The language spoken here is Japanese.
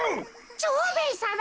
蝶兵衛さま